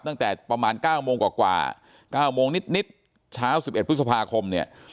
ตั้งแต่ประมาณ๙โมงกว่า๙โมงนิดเช้า๑๑พฤษภาคมเนี่ย